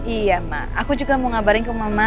iya mak aku juga mau ngabarin ke mama